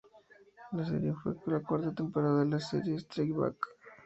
La serie fue la cuarta temporada de la serie "Strike Back".